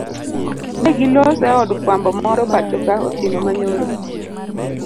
Negiloso eod fwambo moro pachoka otieno manyoro.